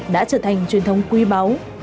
đã trở thành truyền thống quý báu